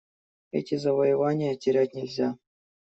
Эти завоевания терять нельзя.